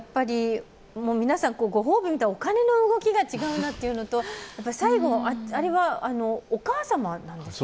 皆さんお金の動きが違うなというのと最後、あれはお母さまなんですか？